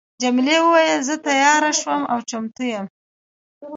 جميلې وويل: زه تیاره شوم او چمتو یم.